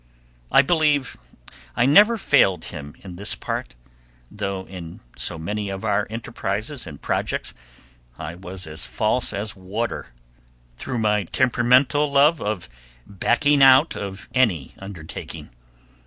I believe I never failed him in this part, though in so many of our enterprises and projects I was false as water through my temperamental love of backing out of any undertaking.